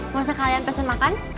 gak usah kalian pesen makan